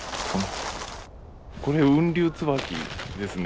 これ雲龍椿ですね。